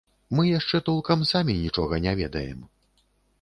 Мы яшчэ толкам самі нічога не ведаем.